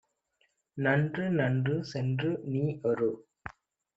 "நன்று நன்று சென்று நீஒரு